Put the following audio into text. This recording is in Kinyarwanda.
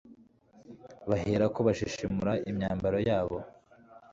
bahera ko bashishimura imyambaro yabo